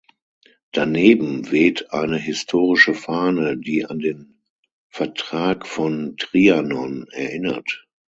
Daneben weht eine historische Fahne, die an den Vertrag von Trianon erinnert.